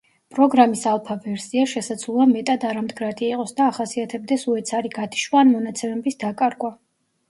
პროგრამის ალფა ვერსია, შესაძლოა მეტად არამდგრადი იყოს და ახასიათებდეს უეცარი გათიშვა ან მონაცემების დაკარგვა.